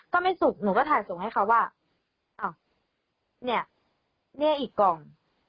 ก็ไม่สุกหนูก็ถ่ายส่งให้เขาว่าอ้าวเนี่ยเนี่ยอีกกล่อง